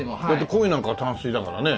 コイなんかは淡水だからね。